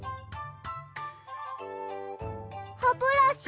ハブラシ？